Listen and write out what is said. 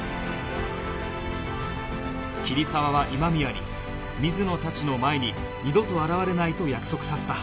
桐沢は今宮に水野たちの前に二度と現れないと約束させた